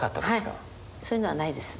そういうのはないです。